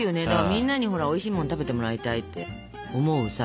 みんなにほらおいしいもん食べてもらいたいって思うさ